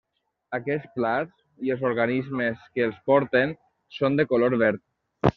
Aquests plasts, i els organismes que els porten, són de color verd.